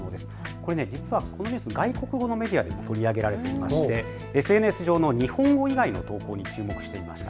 これ実は外国語のメディアでも取り上げられていましてＳＮＳ上の日本語以外の投稿に注目してみました。